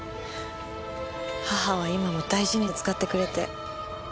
母は今も大事に使ってくれて。